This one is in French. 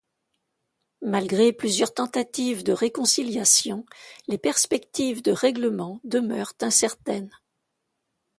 Malgré plusieurs tentatives de réconciliation, les perspectives de règlement demeurent incertaines.